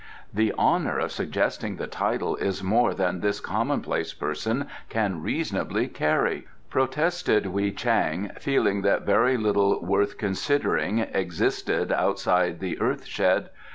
"The honour of suggesting the title is more than this commonplace person can reasonably carry," protested Wei Chang, feeling that very little worth considering existed outside the earth shed.